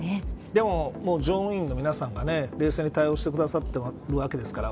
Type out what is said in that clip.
でも、乗務員の皆さんが冷静に対応してくださっているわけですから。